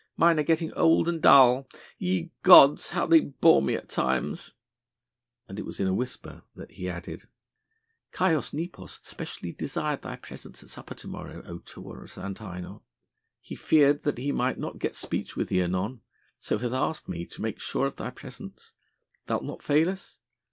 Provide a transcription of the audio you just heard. Mine are getting old and dull. Ye gods, how they bore me at times!" And it was in a whisper that he added: "Caius Nepos specially desired thy presence at supper to morrow, O Taurus Antinor! He feared that he might not get speech with thee anon, so hath asked me to make sure of thy presence. Thou'lt not fail us?